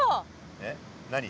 えっ何？